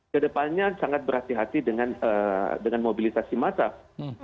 ke depannya sangat berhati hati dengan mobilisasi masyarakat